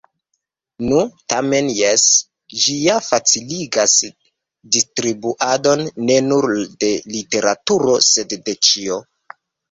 Nu, tamen jes, ĝi ja faciligas distribuadon, ne nur de literaturo, sed de ĉio.